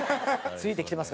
ついてきてますか？